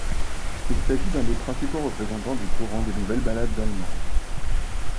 Il s'agit d'un des principaux représentants du courant des nouvelles ballades allemandes.